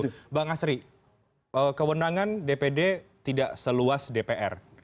mbak asri kewenangan dpd tidak seluas dpr